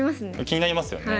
気になりますよね。